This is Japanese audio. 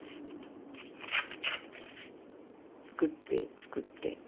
作って作って。